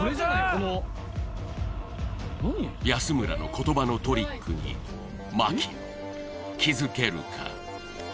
この安村の言葉のトリックに槙野気づけるか？